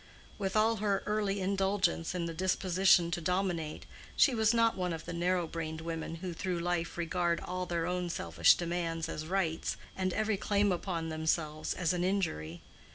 With all her early indulgence in the disposition to dominate, she was not one of the narrow brained women who through life regard all their own selfish demands as rights, and every claim upon themselves as an injury.